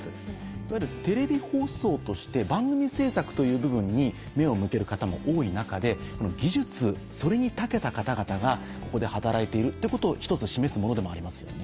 いわゆるテレビ放送として番組制作という部分に目を向ける方も多い中で技術それに長けた方々がここで働いているってことを１つ示すものでもありますよね。